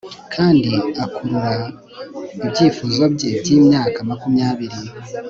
Kandi akurura ibyifuzo bye byimyaka makumyabiri